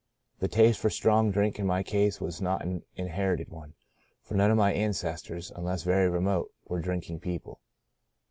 The taste for strong drink in my case was not an inherited one, for none of my ancestors — unless very remote — were drinking people.